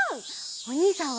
おにいさんは？